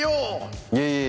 いえいえ